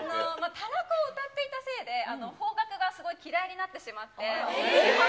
たらこを歌っていたせいで、邦楽がすごい嫌いになってしまって。